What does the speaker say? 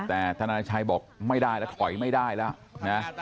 แต่ธนาชัยบอกไม่ได้แล้วถอยไม่ได้แล้วนะ